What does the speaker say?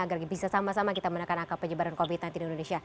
agar bisa sama sama kita menekan akal penyebaran covid